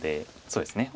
そうですね